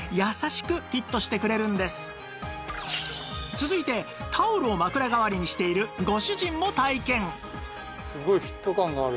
続いてタオルを枕代わりにしているさらに